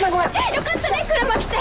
よかったね車来て。